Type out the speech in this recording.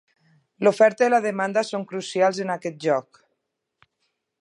L'oferta i la demanda són crucials en aquest joc.